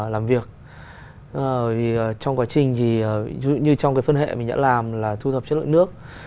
làm việc trong quá trình thì ví dụ như trong cái phân hệ mình đã làm là thu thập chất lượng nước